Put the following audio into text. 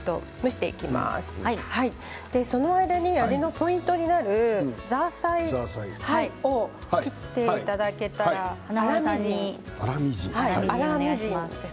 その間に味のポイントになるザーサイを切っていただけたら粗みじんです。